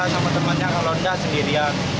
sama temannya kalau enggak sendirian